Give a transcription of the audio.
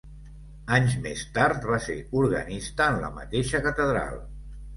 Anys més tard, va ser organista en la mateixa catedral.